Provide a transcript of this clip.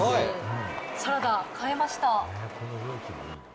サラダ買えました。